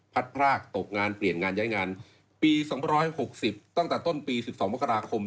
พรากตกงานเปลี่ยนงานย้ายงานปี๒๖๐ตั้งแต่ต้นปี๑๒มกราคม